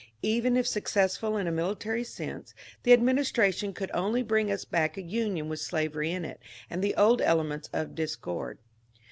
Even if successful in a military sense, the administra tion could only bring us back a union with slavery in it and the old elements of discord.